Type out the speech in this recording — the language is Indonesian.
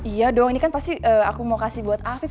iya dong ini kan pasti aku mau kasih buat afif